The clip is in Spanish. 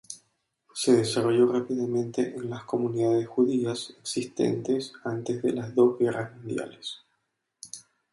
Se desarrolló rápidamente en las comunidades judías existentes antes de las dos guerras mundiales.